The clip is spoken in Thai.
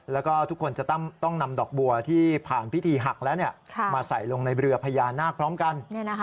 แล้วก็ทุกคนจะต้องนำดอกบัวที่ผ่านพิธีหักแล้วมาใส่ลงในเรือพญานาคพร้อมกัน